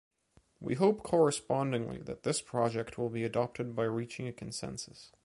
We hope correspondingly that this project will be adopted by reaching a consensus.